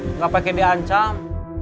nggak pakai diancam